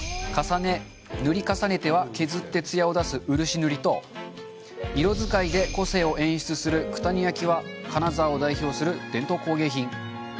塗り重ねては削って艶を出す「漆塗り」と色使いで個性を演出する「九谷焼」は金沢を代表する伝統工芸品。